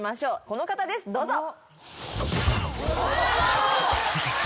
この方ですどうぞ。